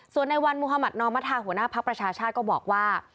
ส่วนในวันมุธมัธนอมธาหัวหน้าภักดิ์ประชาชาติก็บอกว่า